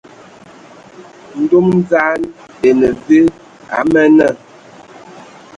Ndom dzaŋ ene ve a man nna?